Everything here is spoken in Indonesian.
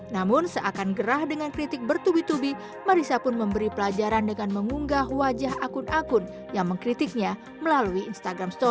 namun seakan gerah dengan kritik bertubi tubi marissa pun memberi pelajaran dengan mengunggah wajah akun akun yang mengkritiknya melalui instagram story